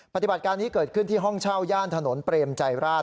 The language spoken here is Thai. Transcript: ปฏิบัติการนี้เกิดขึ้นที่ห้องเช่าย่านถนนเปรมใจราช